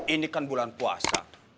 ini kan bulan puasa